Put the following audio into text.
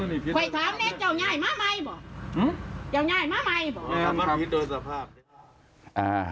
อืมอืมค่ะพิษโดยสภาพ